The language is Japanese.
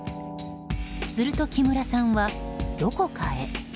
すると木村さんは、どこかへ。